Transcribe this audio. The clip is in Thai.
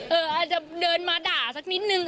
อาจจะเดินมาด่าสักนิดนึง